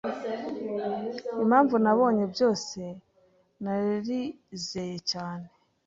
Impamvu nabonye byose narizeye cyane